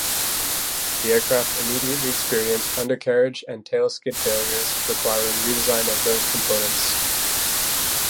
The aircraft immediately experienced undercarriage and tailskid failures, requiring redesign of those components.